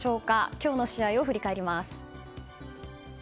今日の試合を振り返ります。